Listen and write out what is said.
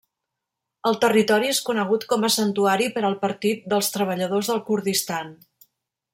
El territori és conegut com a santuari per al Partit dels Treballadors del Kurdistan.